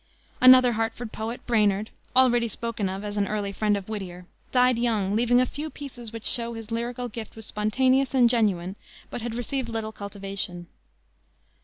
Another Hartford poet, Brainard already spoken of as an early friend of Whittier died young, leaving a few pieces which show that his lyrical gift was spontaneous and genuine but had received little cultivation.